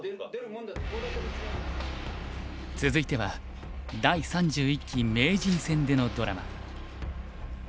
続いては第３１期名人戦でのドラマ。